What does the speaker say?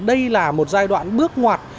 đây là một giai đoạn bước ngoặt